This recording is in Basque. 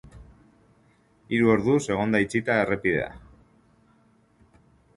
Hiru orduz egon da itxita errepidea.